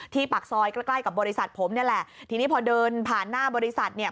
ปากซอยใกล้ใกล้กับบริษัทผมนี่แหละทีนี้พอเดินผ่านหน้าบริษัทเนี่ย